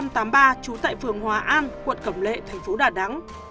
trú tại phường hòa an quận cẩm lệ thành phố đà nẵng